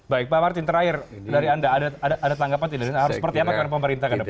baik pak martin terakhir dari anda ada tanggapan tidak seperti apa dengan pemerintah ke depan ini